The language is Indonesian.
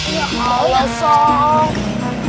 ya allah sok